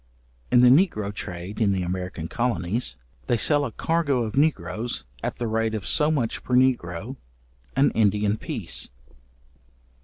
In the negro trade in the American colonies, they sell a cargo of negroes at the rate of so much per negro, an Indian piece.